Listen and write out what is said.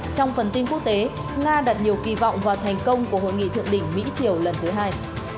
trong phần tin quốc tế nga đặt nhiều kỳ vọng vào thành công của hội nghị thượng đỉnh mỹ triều lần thứ hai